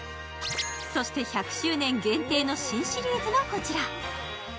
そして、１００周年限定の新シリーズはこちら。